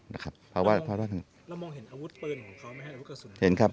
เรามองเห็นอาวุธเปลืองของเขาไหมอาวุธกระสุน